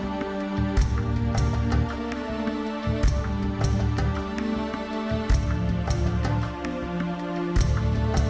โรงงานแรงการตัวเป็นละคร